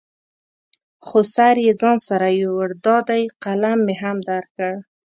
خو سر یې ځان سره یوړ، دا دی قلم مې هم درکړ.